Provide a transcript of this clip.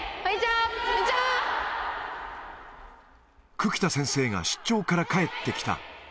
久木田先生が出張から帰ってきた。